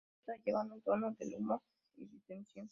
Todo está llevado en tono de humor y distensión.